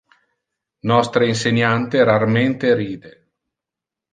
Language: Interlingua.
Nostre inseniante rarmente ride.